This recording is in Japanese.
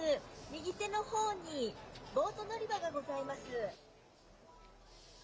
右手のほうにボート乗り場がございます。